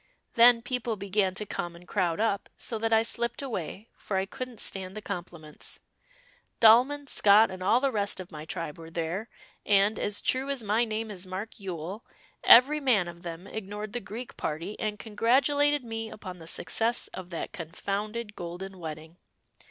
Then people began to come and crowd up, so that I slipped away for I couldn't stand the compliments. Dahlmann, Scott, and all the rest of my tribe were there, and, as true as my name is Mark Yule, every man of them ignored the Greek party and congratulated me upon the success of that confounded Golden Wedding."